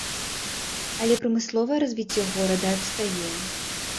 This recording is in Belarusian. Але прамысловае развіццё горада адстае.